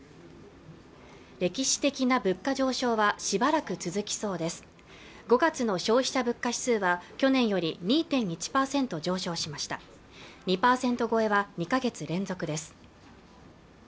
歴史的な物価上昇はしばらく続きそうです５月の消費者物価指数は去年より２．１％上昇しました２％超えは２か月連続です